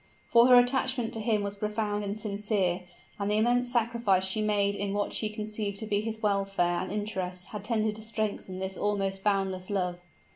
For her attachment to him was profound and sincere; and the immense sacrifice she had made in what she conceived to be his welfare and interests had tended to strengthen this almost boundless love.